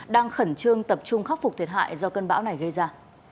đang khẩn trương tập trung khắc phục thiệt hại do cơn bão này gây ra